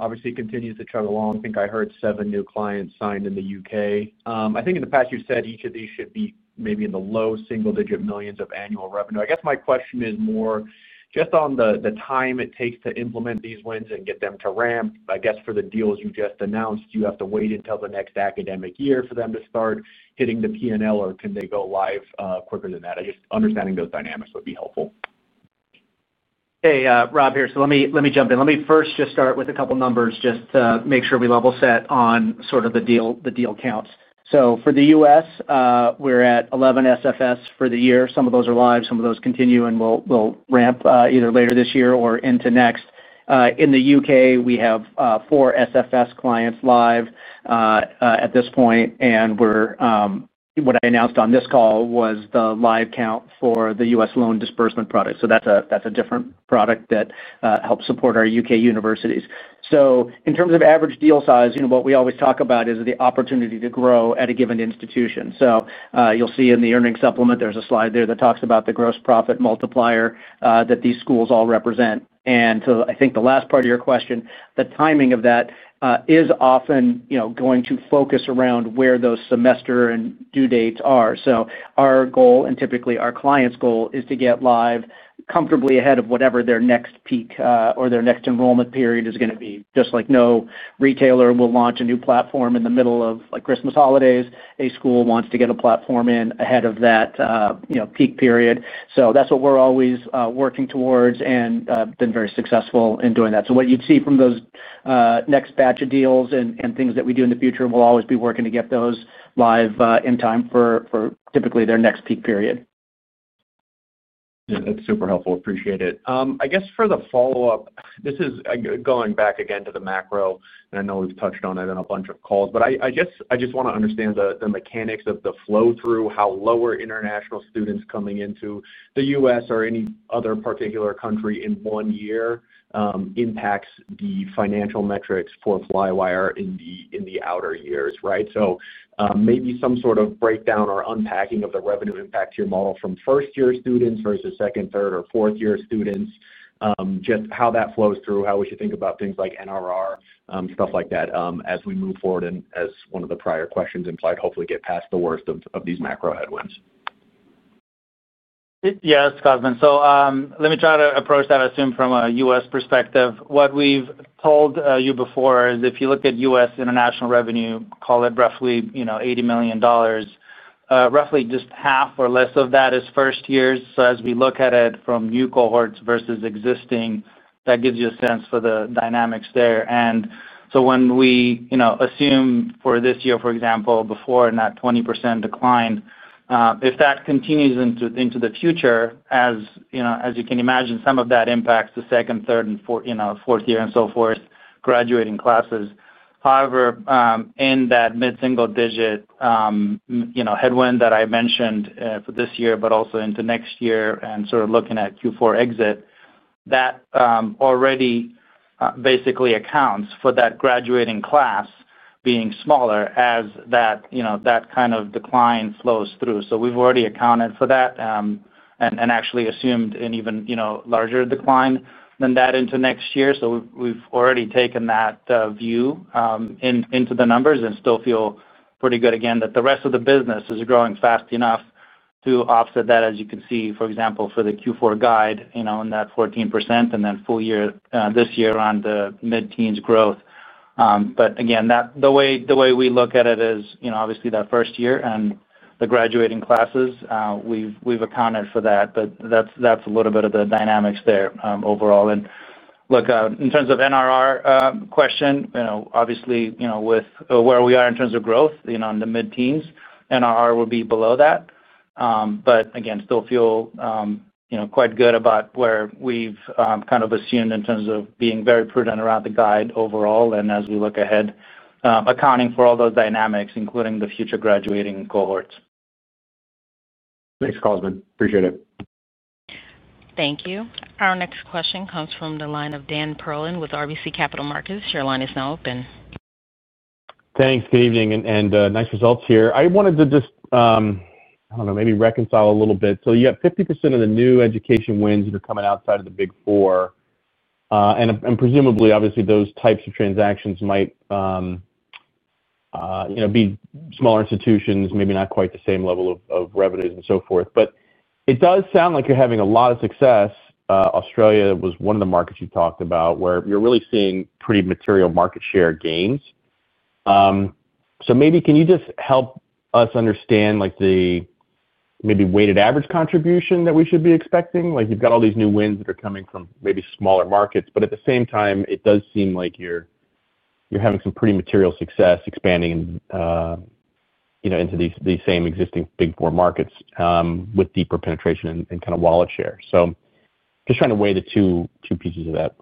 Obviously, continues to tread along. I think I heard seven new clients signed in the U.K. I think in the past, you said each of these should be maybe in the low single-digit millions of annual revenue. I guess my question is more just on the time it takes to implement these wins and get them to ramp. I guess for the deals you just announced, do you have to wait until the next academic year for them to start hitting the P&L, or can they go live quicker than that? Just understanding those dynamics would be helpful. Hey, Rob here. So let me jump in. Let me first just start with a couple of numbers just to make sure we level set on sort of the deal counts. So for the U.S., we're at 11 SFS for the year. Some of those are live. Some of those continue, and we'll ramp either later this year or into next. In the U.K., we have four SFS clients live at this point. What I announced on this call was the live count for the U.S. loan disbursement product. So that's a different product that helps support our U.K. universities. So in terms of average deal size, what we always talk about is the opportunity to grow at a given institution. So you'll see in the earnings supplement, there's a slide there that talks about the gross profit multiplier that these schools all represent. And so I think the last part of your question, the timing of that is often going to focus around where those semester and due dates are. So our goal, and typically our clients' goal, is to get live comfortably ahead of whatever their next peak or their next enrollment period is going to be. Just like no retailer will launch a new platform in the middle of Christmas holidays, a school wants to get a platform in ahead of that peak period. So that's what we're always working towards and been very successful in doing that. So what you'd see from those next batch of deals and things that we do in the future, we'll always be working to get those live in time for typically their next peak period. That's super helpful. Appreciate it. I guess for the follow-up, this is going back again to the macro, and I know we've touched on it in a bunch of calls, but I guess I just want to understand the mechanics of the flow through how lower international students coming into the U.S. or any other particular country in one year. Impacts the financial metrics for Flywire in the outer years, right? So maybe some sort of breakdown or unpacking of the revenue impact to your model from first-year students versus second, third, or fourth-year students. Just how that flows through, how we should think about things like NRR, stuff like that as we move forward, and as one of the prior questions implied, hopefully get past the worst of these macro headwinds. Yeah, that's Cosmin. So let me try to approach that, I assume, from a U.S. perspective. What we've told you before is if you look at U.S. international revenue, call it roughly $80 million. Roughly just half or less of that is first years. So as we look at it from new cohorts versus existing, that gives you a sense for the dynamics there. And so when we assume for this year, for example, before that 20% decline, if that continues into the future, as you can imagine, some of that impacts the second, third, and fourth year and so forth graduating classes. However, in that mid-single-digit headwind that I mentioned for this year, but also into next year and sort of looking at Q4 exit, that already basically accounts for that graduating class being smaller as that kind of decline flows through. So we've already accounted for that. And actually assumed an even larger decline than that into next year. So we've already taken that view into the numbers and still feel pretty good again that the rest of the business is growing fast enough to offset that, as you can see, for example, for the Q4 guide in that 14% and then full year this year around the mid-teens growth. But again, the way we look at it is obviously that first year and the graduating classes. We've accounted for that, but that's a little bit of the dynamics there overall. And look, in terms of NRR question, obviously with where we are in terms of growth in the mid-teens, NRR will be below that. But again, still feel quite good about where we've kind of assumed in terms of being very prudent around the guide overall. And as we look ahead, accounting for all those dynamics, including the future graduating cohorts. Thanks, Cosmin. Appreciate it. Thank you. Our next question comes from the line of Dan Perlin with RBC Capital Markets. Your line is now open. Thanks. Good evening and nice results here. I wanted to just. I don't know, maybe reconcile a little bit. So you have 50% of the new education wins that are coming outside of the Big Four. And presumably, obviously, those types of transactions might be smaller institutions, maybe not quite the same level of revenues and so forth. But it does sound like you're having a lot of success. Australia was one of the markets you talked about where you're really seeing pretty material market share gains. So maybe can you just help us understand the, maybe, weighted average contribution that we should be expecting? You've got all these new wins that are coming from maybe smaller markets, but at the same time, it does seem like you're having some pretty material success expanding into these same existing Big Four markets with deeper penetration and kind of wallet share. So just trying to weigh the two pieces of that.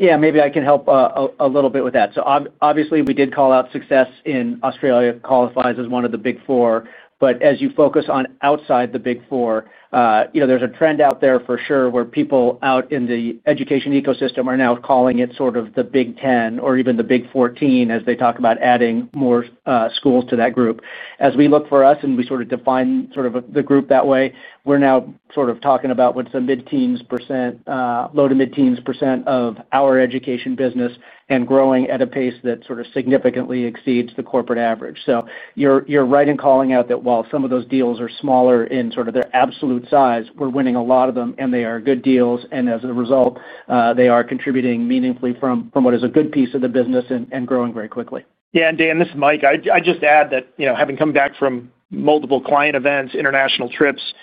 Yeah, maybe I can help a little bit with that. So obviously, we did call out success in Australia qualifies as one of the Big Four. But as you focus on outside the Big Four, there's a trend out there for sure where people out in the education ecosystem are now calling it sort of the Big 10 or even the Big 14 as they talk about adding more schools to that group. As we look for us and we sort of define sort of the group that way, we're now sort of talking about what's the mid-teens%, low to mid-teens% of our education business and growing at a pace that sort of significantly exceeds the corporate average. So you're right in calling out that while some of those deals are smaller in sort of their absolute size, we're winning a lot of them, and they are good deals. And as a result, they are contributing meaningfully from what is a good piece of the business and growing very quickly. Yeah, and Dan, this is Mike. I just add that having come back from multiple client events, international trips,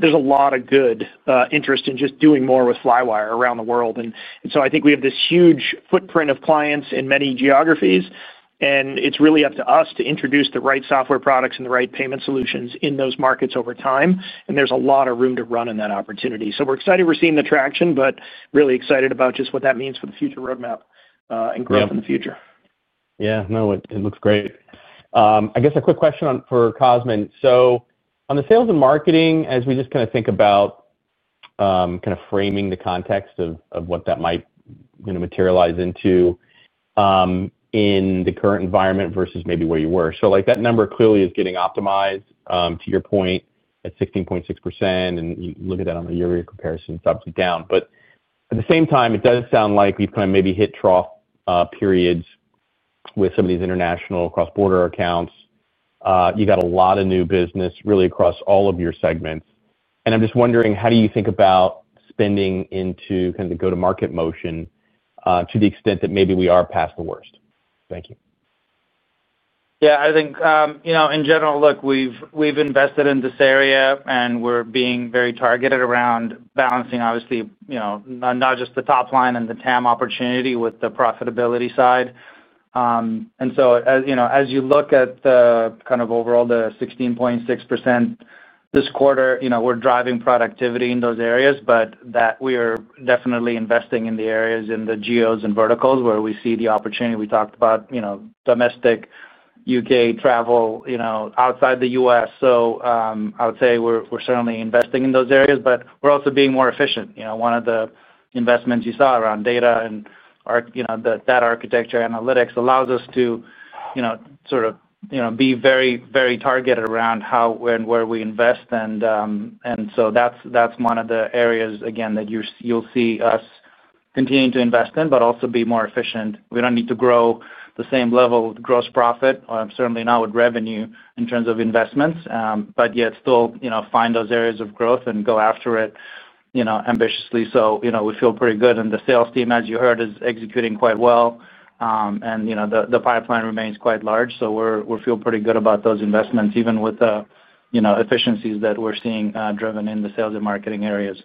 there's a lot of good interest in just doing more with Flywire around the world. And so I think we have this huge footprint of clients in many geographies, and it's really up to us to introduce the right software products and the right payment solutions in those markets over time. And there's a lot of room to run in that opportunity. So we're excited. We're seeing the traction, but really excited about just what that means for the future roadmap and growth in the future. Yeah. No, it looks great. I guess a quick question for Cosmin. So on the sales and marketing, as we just kind of think about kind of framing the context of what that might materialize into in the current environment versus maybe where you were. So that number clearly is getting optimized, to your point, at 16.6%. And look at that on a year-to-year comparison, it's obviously down. But at the same time, it does sound like we've kind of maybe hit trough periods with some of these international cross-border accounts. You got a lot of new business really across all of your segments. And I'm just wondering, how do you think about spending into kind of the go-to-market motion to the extent that maybe we are past the worst? Thank you. Yeah, I think in general, look, we've invested in this area, and we're being very targeted around balancing, obviously. Not just the top line and the TAM opportunity with the profitability side. And so as you look at the kind of overall, the 16.6%. This quarter, we're driving productivity in those areas, but we are definitely investing in the areas in the geos and verticals where we see the opportunity. We talked about domestic, U.K. travel, outside the U.S. So I would say we're certainly investing in those areas, but we're also being more efficient. One of the investments you saw around data and that architecture analytics allows us to sort of be very, very targeted around how and where we invest. And so that's one of the areas, again, that you'll see us continuing to invest in, but also be more efficient. We don't need to grow the same level with gross profit, certainly not with revenue in terms of investments, but yet still find those areas of growth and go after it ambitiously. So we feel pretty good. And the sales team, as you heard, is executing quite well. And the pipeline remains quite large. So we feel pretty good about those investments, even with the efficiencies that we're seeing driven in the sales and marketing areas.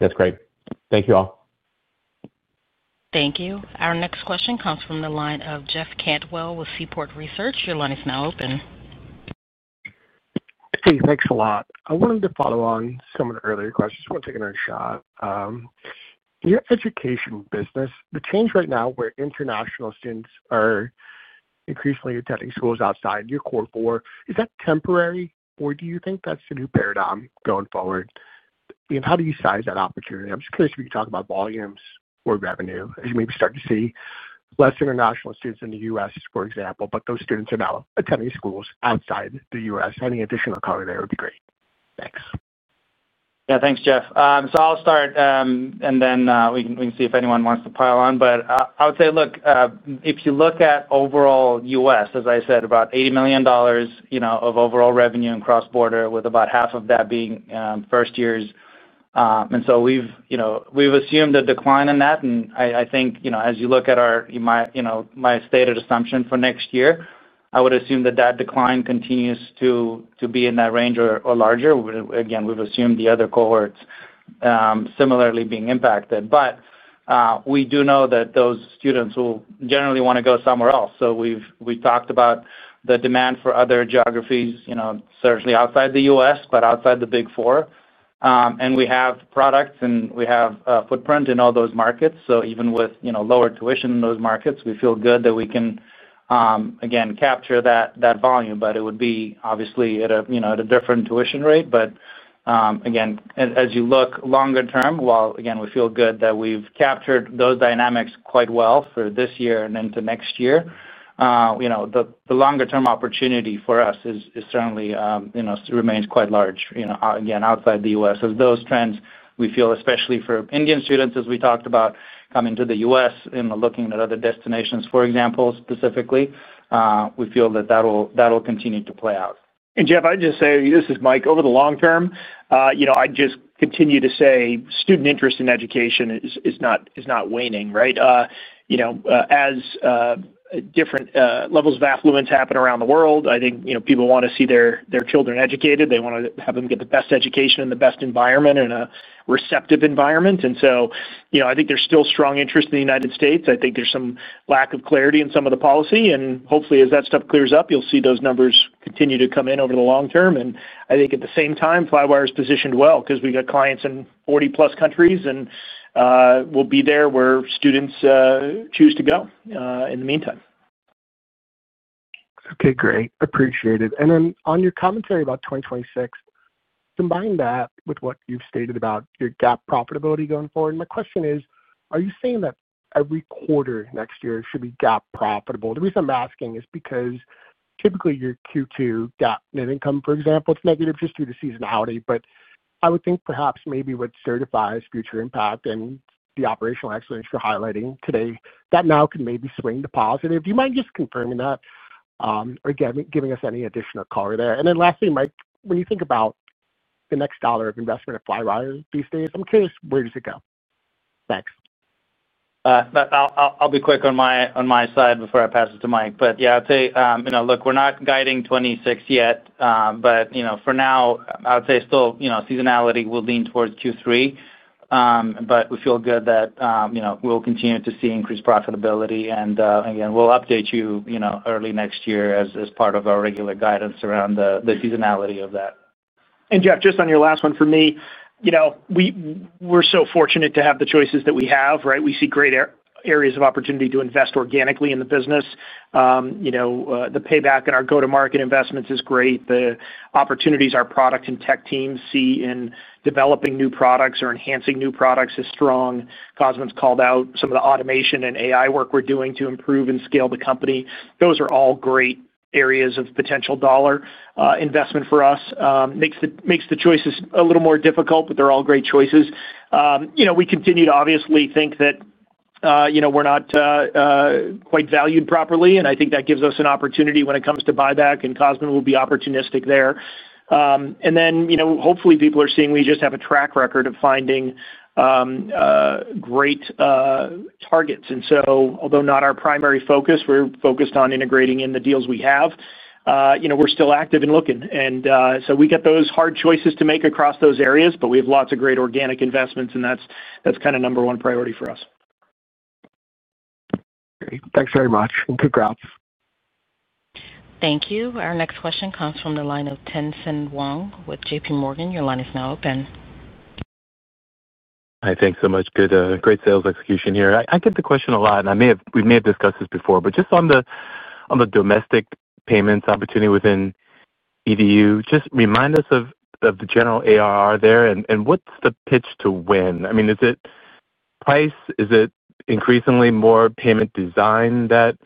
That's great. Thank you all. Thank you. Our next question comes from the line of Jeff Cantwell with Seaport Research. Your line is now open. Hey, thanks a lot. I wanted to follow on some of the earlier questions. I want to take another shot. Your education business, the change right now where international students are increasingly attending schools outside your core, is that temporary, or do you think that's the new paradigm going forward? And how do you size that opportunity? I'm just curious if you can talk about volumes or revenue, as you maybe start to see less international students in the U.S., for example, but those students are now attending schools outside the U.S. Any additional color there would be great. Thanks. Yeah, thanks, Jeff. So I'll start, and then we can see if anyone wants to pile on. But I would say, look, if you look at overall U.S., as I said, about $80 million of overall revenue and cross-border, with about half of that being first years. And so we've assumed a decline in that. And I think as you look at my stated assumption for next year, I would assume that decline continues to be in that range or larger. Again, we've assumed the other cohorts similarly being impacted. But we do know that those students will generally want to go somewhere else. So we've talked about the demand for other geographies, certainly outside the U.S., but outside the Big Four. And we have products, and we have a footprint in all those markets. So even with lower tuition in those markets, we feel good that we can, again, capture that volume. But it would be obviously at a different tuition rate. But again, as you look longer term, while again, we feel good that we've captured those dynamics quite well for this year and into next year. The longer-term opportunity for us certainly remains quite large, again, outside the U.S. As those trends, we feel, especially for Indian students, as we talked about coming to the U.S. and looking at other destinations, for example, specifically, we feel that that will continue to play out. And Jeff, I'd just say, this is Mike. Over the long term, I just continue to say student interest in education is not waning, right? As different levels of affluence happen around the world, I think people want to see their children educated. They want to have them get the best education in the best environment, in a receptive environment. And so I think there's still strong interest in the United States. I think there's some lack of clarity in some of the policy. And hopefully, as that stuff clears up, you'll see those numbers continue to come in over the long term. And I think at the same time, Flywire is positioned well because we got clients in 40-plus countries and will be there where students choose to go in the meantime. Okay, great. Appreciate it. And then on your commentary about 2026, combine that with what you've stated about your GAAP profitability going forward. My question is, are you saying that every quarter next year should be GAAP profitable? The reason I'm asking is because typically your Q2 GAAP net income, for example, it's negative just due to seasonality. But I would think perhaps maybe what Sertifi's future impact and the operational excellence you're highlighting today, that now can maybe swing to positive. Do you mind just confirming that or giving us any additional color there? And then lastly, Mike, when you think about the next dollar of investment at Flywire these days, I'm curious, where does it go? Thanks. I'll be quick on my side before I pass it to Mike. But yeah, I'd say, look, we're not guiding 26 yet, but for now, I would say still seasonality will lean towards Q3. But we feel good that we'll continue to see increased profitability. And again, we'll update you early next year as part of our regular guidance around the seasonality of that. And Jeff, just on your last one for me. We're so fortunate to have the choices that we have, right? We see great areas of opportunity to invest organically in the business. The payback in our go-to-market investments is great. The opportunities our product and tech teams see in developing new products or enhancing new products is strong. Cosmin's called out some of the automation and AI work we're doing to improve and scale the company. Those are all great areas of potential dollar investment for us. Makes the choices a little more difficult, but they're all great choices. We continue to obviously think that we're not quite valued properly. I think that gives us an opportunity when it comes to buyback. Cosmin will be opportunistic there. Then hopefully people are seeing we just have a track record of finding great targets. So although not our primary focus, we're focused on integrating in the deals we have. We're still active and looking. So we get those hard choices to make across those areas, but we have lots of great organic investments, and that's kind of number one priority for us. Great. Thanks very much. And good luck. Thank you. Our next question comes from the line of Tien-tsin Wong with JPMorgan. Your line is now open. Hi, thanks so much. Good sales execution here. I get the question a lot, and we may have discussed this before, but just on the domestic payments opportunity within EDU, just remind us of the general ARR there and what's the pitch to win? I mean, is it price? Is it increasingly more payment design that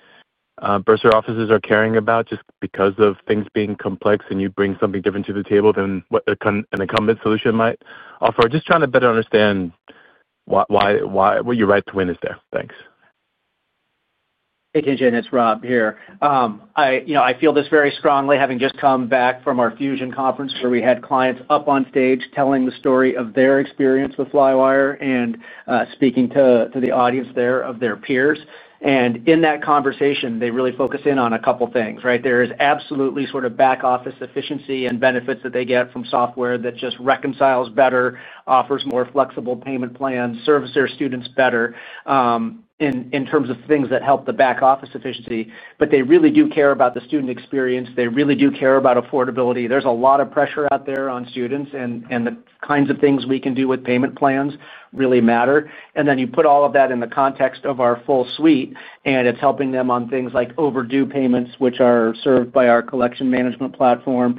bursar offices are caring about just because of things being complex and you bring something different to the table than an incumbent solution might offer? Just trying to better understand what your right to win is there. Thanks. Hey, TJ, it's Rob here. I feel this very strongly having just come back from our fusion conference where we had clients up on stage telling the story of their experience with Flywire and speaking to the audience there of their peers. In that conversation, they really focus in on a couple of things, right? There is absolutely sort of back-office efficiency and benefits that they get from software that just reconciles better, offers more flexible payment plans, serves their students better. In terms of things that help the back-office efficiency. But they really do care about the student experience. They really do care about affordability. There's a lot of pressure out there on students, and the kinds of things we can do with payment plans really matter. Then you put all of that in the context of our full suite, and it's helping them on things like overdue payments, which are served by our collection management platform.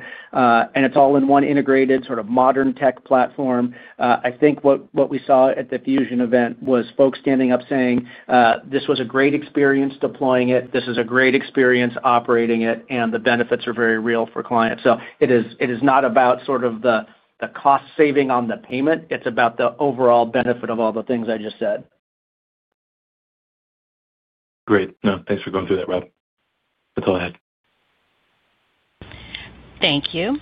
It's all in one integrated sort of modern tech platform. I think what we saw at the fusion event was folks standing up saying, "This was a great experience deploying it. This is a great experience operating it, and the benefits are very real for clients." So it is not about sort of the cost saving on the payment. It's about the overall benefit of all the things I just said. Great. No, thanks for going through that, Rob. That's all I had. Thank you.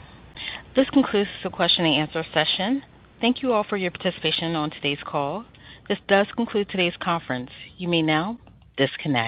This concludes the question-and-answer session. Thank you all for your participation on today's call. This does conclude today's conference. You may now disconnect.